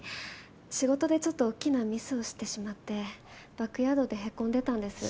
仕事でちょっと大きなミスをしてしまってバックヤードで凹んでたんです。